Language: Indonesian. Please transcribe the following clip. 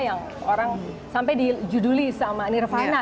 yang orang sampai di juduli sama nirvana